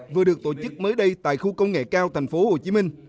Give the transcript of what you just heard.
vừa được tổ chức mới đây tại khu công nghệ cao tp hcm